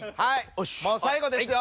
もう最後ですよ